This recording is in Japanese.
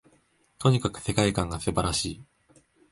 とにかく世界観が素晴らしい